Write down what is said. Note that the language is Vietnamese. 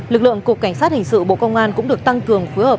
lực lượng cục cảnh sát hình sự bộ công an cũng được tăng cường phối hợp